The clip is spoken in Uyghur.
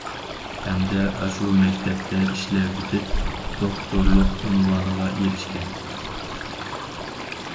ھەمدە ئاشۇ مەكتەپتە ئىشلەۋېتىپ، دوكتورلۇق ئۇنۋانىغا ئېرىشكەن.